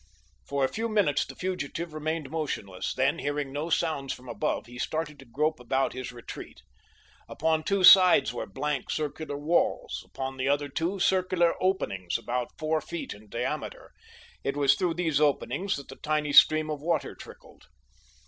For a few minutes the fugitive remained motionless, then, hearing no sounds from above he started to grope about his retreat. Upon two sides were blank, circular walls, upon the other two circular openings about four feet in diameter. It was through these openings that the tiny stream of water trickled.